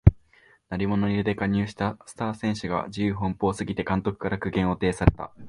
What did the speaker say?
鳴り物入りで加入したスター選手が自由奔放すぎて監督から苦言を呈された